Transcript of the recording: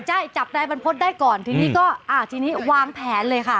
ใช่จับนายบรรพฤษได้ก่อนทีนี้ก็อ่าทีนี้วางแผนเลยค่ะ